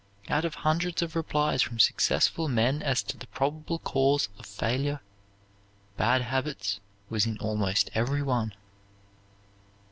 Out of hundreds of replies from successful men as to the probable cause of failure, "bad habits" was in almost every one.